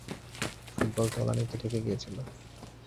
Football তলানিতে ঠেকে গিয়েছিল।